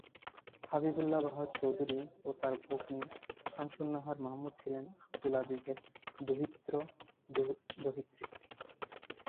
হবীবুল্লাহ বাহার চৌধুরী ও তাঁর ভগ্নী শামসুন্নাহার মাহমুদ ছিলেন আবদুল আজীজের দৌহিত্র-দৌহিত্রী।